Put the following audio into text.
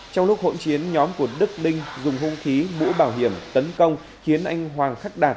trong lúc hỗn chiến nhóm của đức linh dùng hung khí mũ bảo hiểm tấn công khiến anh hoàng khắc đạt